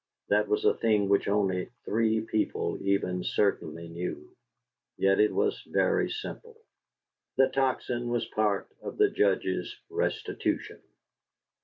That was a thing which only three people even certainly knew; yet it was very simple. The Tocsin was part of the Judge's restitution.